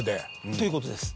ということです。